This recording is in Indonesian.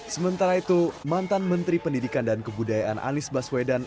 sementara itu mantan menteri pendidikan dan kebudayaan anies baswedan